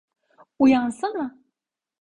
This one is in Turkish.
Uyansana!